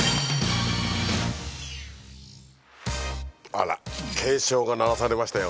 あら警鐘が鳴らされましたよ